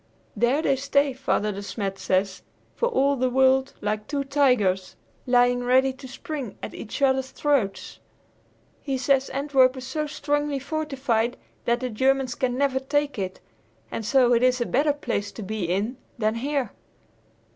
There they stay, Father De Smet says, for all the world, like two tigers, lying ready to spring at each other's throats. He says Antwerp is so strongly fortified that the Germans can never take it, and so it is a better place to be in than here.